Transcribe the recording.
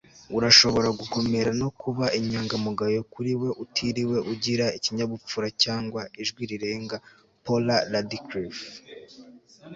urashobora gukomera no kuba inyangamugayo kuriwe utiriwe ugira ikinyabupfura cyangwa ijwi rirenga. '- paula radcliffe